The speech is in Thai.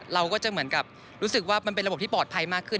เราก็จะเหมือนกับรู้สึกว่ามันเป็นระบบที่ปลอดภัยมากขึ้น